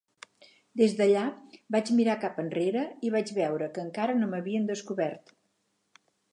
Des d"allà, vaig mirar cap enrere i vaig veure que encara no m"havien descobert.